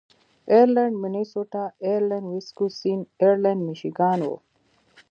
ایرلنډ مینیسوټا، ایرلنډ ویسکوسین، ایرلنډ میشیګان و.